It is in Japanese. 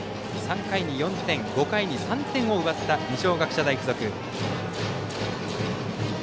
３回に４点、５回に３点を奪った二松学舎大付属。